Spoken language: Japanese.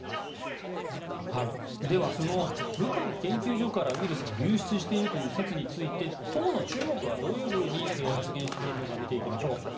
ではその武漢ウイルス研究所からウイルスが流出しているという説について当の中国はどういうふうに発言しているのか見ていきましょう。